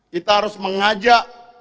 kita harus mengajak